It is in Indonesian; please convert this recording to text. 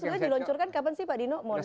sebenarnya diluncurkan kapan sih pak dino moder